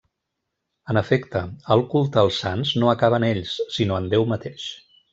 En efecte, el culte als sants no acaba en ells, sinó en Déu mateix.